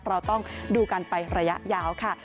เราต้องดูกันไประยะยาวค่ะ